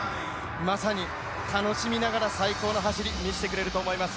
まさに楽しみながら最高の走り見せてくれると思います。